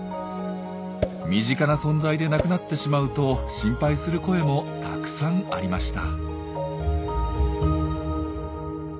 身近な存在でなくなってしまうと心配する声もたくさんありました。